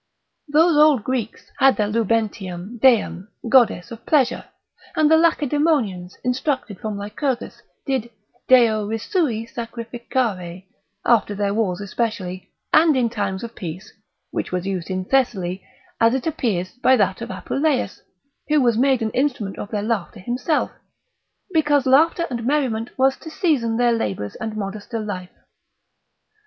Those old Greeks had their Lubentiam Deam, goddess of pleasure, and the Lacedaemonians, instructed from Lycurgus, did Deo Risui sucrificare, after their wars especially, and in times of peace, which was used in Thessaly, as it appears by that of Apuleius, who was made an instrument of their laughter himself: Because laughter and merriment was to season their labours and modester life.